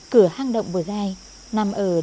cửa hang động bờ gai nằm ở lưng đất